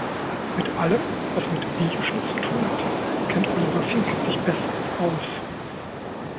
Mit allem, was mit Videoschnitt zu tun hat, kennt Oliver Fink sich bestens aus.